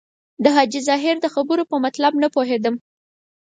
د حاجي ظاهر د خبرو په مطلب نه پوهېدم.